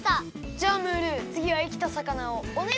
じゃムールつぎはいきた魚をおねがい！